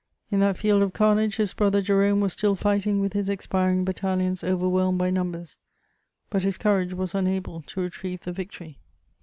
In that field of carnage, his brother Jerome was still fighting with his expiring battalions overwhelmed by numbers; but his courage was unable to retrieve the victory.